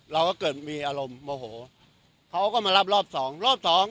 เราก็เกิดมีอารมณ์โมโหเขาก็มารับรอบสองรอบสอง